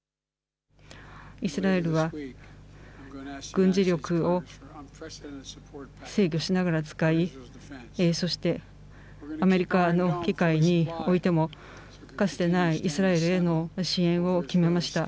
イスラエルは軍事力を制御しながら使いそしてアメリカの機会においてもかつてないイスラエルへの支援を決めました。